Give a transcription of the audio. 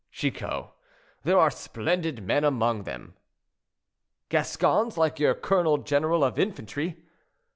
"Chicot, there are splendid men among them." "Gascons, like your colonel general of infantry."